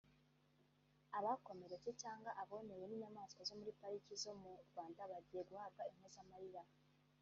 abakomeretse cyangwa abonewe n’inyamaswa zi muri za piriki zo mu Rwanda bagiye guhabwa impozamarira